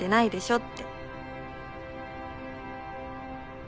って。